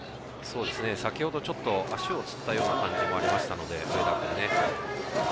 先ほどちょっと足をつったような感じもありましたので、上田君。